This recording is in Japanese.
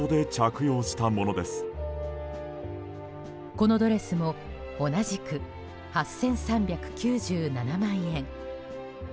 このドレスも同じく８３９７万円。